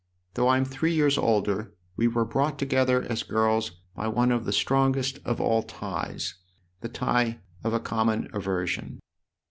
Though I'm three years older we were brought together as girls by one of the strongest of all ties the tie of a common aversion."